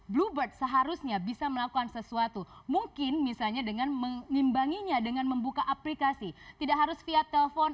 bluebird seharusnya bisa melakukan sesuatu mungkin misalnya dengan mengimbanginya dengan membuka aplikasi tidak harus via telepon